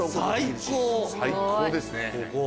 最高ですね。